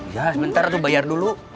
ya sebentar tuh bayar dulu